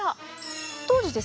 当時ですね